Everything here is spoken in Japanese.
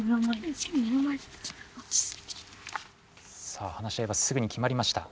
さあ話し合いはすぐに決まりました。